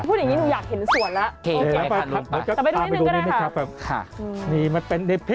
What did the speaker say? พูดอย่างนี้หนูอยากเห็นสวนแล้ว